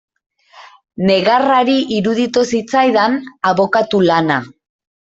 Negargarria iruditu zitzaidan abokatu lana.